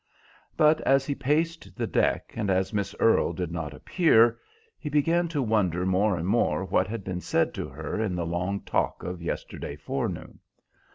But as he paced the deck, and as Miss Earle did not appear, he began to wonder more and more what had been said to her in the long talk of yesterday forenoon.